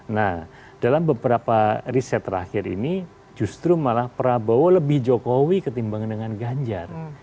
nah dalam beberapa riset terakhir ini justru malah prabowo lebih jokowi ketimbang dengan ganjar